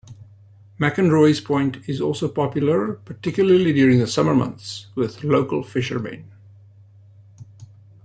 McInroy's Point is also popular, particularly during the summer months, with local fishermen.